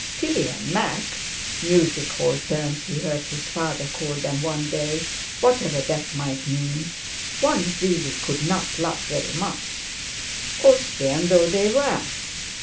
Tilly and Mack ("music hall turns" he heard his father call them one day, whatever that might mean) one really could not love very much, Austrian though they were.